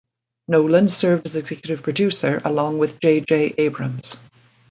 Nolan served as executive producer along with J. J. Abrams.